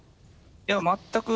いや全く。